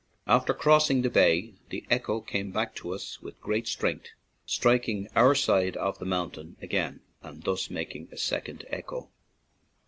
After crossing the bay, the echo came back to us with great strength, striking our side of the mountain again and thus making a sec ond echo.